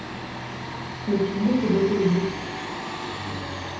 Le public est dépaysé.